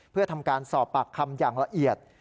เพื่อทำการสอบปากคำอย่างละเอียด